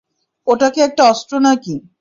ওটা কি একটা অস্ত্র নাকি?